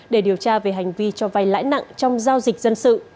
để điều tra về hành vi cho vay lãi nặng trong giao dịch dân sự